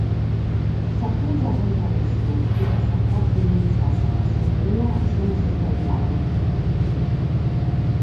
S’acusa contra a issu fiat s'apartenèntzia a sa massoneria e s'omosessualidade.